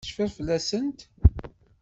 Tecfid fell-asent?